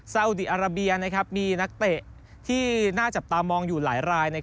อุดีอาราเบียมีนักเตะที่น่าจับตามองอยู่หลายราย